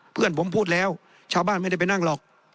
เพื่อนผมพูดแล้วชาวบ้านไม่ได้ไปนั่งหรอก